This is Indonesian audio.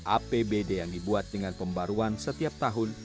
apbd yang dibuat dengan pembaruan setiap tahun